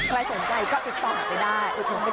ใครสนใจก็ติดต่อไปได้